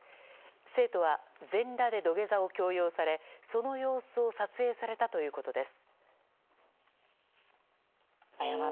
生徒は全裸で土下座を強要されその様子を撮影されたということです。